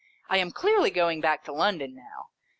I am clearly going back to London, now.